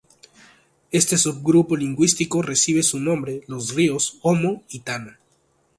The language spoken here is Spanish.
Este subgrupo lingüístico recibe su nombre los ríos Omo y Tana.